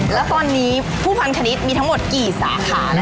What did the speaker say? แล้วตอนนี้ผู้พันธนิดมีทั้งหมดกี่สาขา